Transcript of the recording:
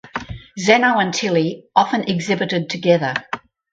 Xeno and Tilly often exhibited together.